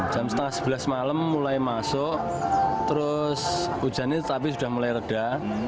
jam setengah sebelas malam mulai masuk terus hujannya tetapi sudah mulai reda